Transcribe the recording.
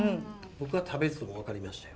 僕は食べずとも分かりましたよ。